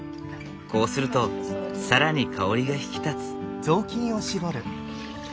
こうすると更に香りが引き立つ。